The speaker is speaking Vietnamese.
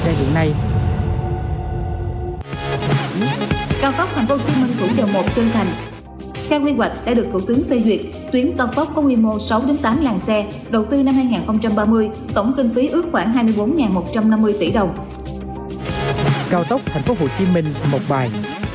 cao tốc tp hcm mộc bài